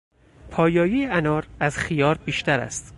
پایایی انار از خیار بیشتر است.